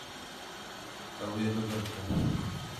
Ew ê bibiriqe.